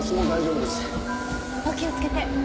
お気をつけて。